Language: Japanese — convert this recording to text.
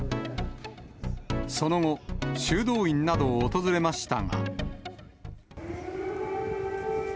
その後、修道院などを訪れましたが。